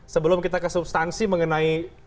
sebelum kita ke substansi mengenai